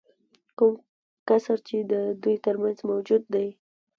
کوم کسر چې د دوی ترمنځ موجود دی